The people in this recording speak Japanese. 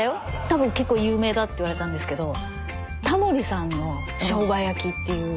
多分結構有名だって言われたんですけどタモリさんのショウガ焼きっていう。